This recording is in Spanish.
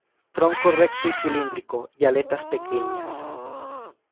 Tronco recto y cilíndrico, y aletas pequeñas.